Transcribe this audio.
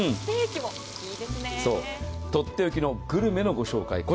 とっておきのグルメのご紹介